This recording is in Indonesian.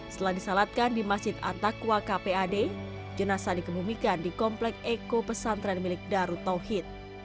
setelah disalatkan di masjid atakwa kpad jenasa dikemumikan di komplek eko pesantren milik darut tauhid